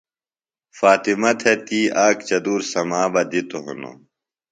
فاطمہ تھےۡ تی آک چدُور سمابہ دِتوۡ ہِنوۡ۔